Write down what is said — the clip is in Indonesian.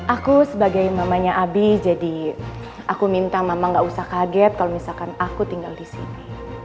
aku sebagai mamanya abi jadi aku minta mama gak usah kaget kalau misalkan aku tinggal di sini